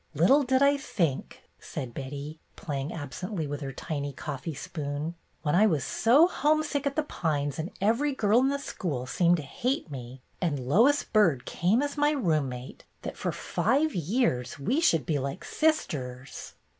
"Little did I think," said Betty, playing absently with her tiny coffee spoon, "when I was so homesick at ' The Pines,' and every girl MANY A TRUE WORD 23 in the school seemed to hate me, and Lois Byrd came as my roommate, that for five years we should be like sisters